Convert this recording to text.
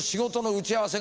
打ち合わせ？